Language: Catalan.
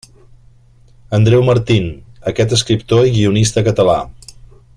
Andreu Martin, aquest escriptor i guionista català.